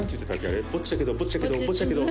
あれ「ぼっちだけどぼっちだけどぼっちだけど」